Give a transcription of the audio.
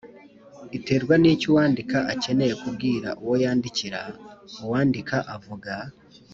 iterwa n icyo uwandika akeneye kubwira uwo yandikira Uwandika avuga